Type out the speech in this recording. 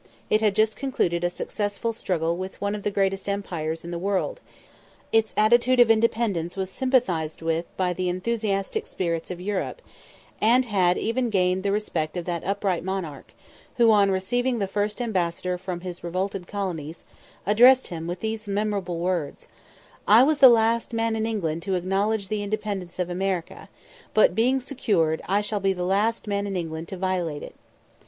It had just concluded a successful struggle with one of the greatest empires in the world; its attitude of independence was sympathised with by the enthusiastic spirits of Europe, and had even gained the respect of that upright monarch, who, on receiving the first ambassador from his revolted colonies, addressed him with these memorable words: "I was the last man in England to acknowledge the independence of America; but, being secured, I shall be the last man in England to violate it."